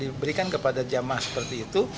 di berikan kepada jemaah seperti itu